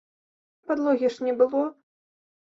Падлогі ж не было.